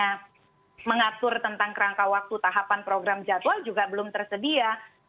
karena mengatur tentang kerangka waktu tahapan program jadwal juga belum tersedia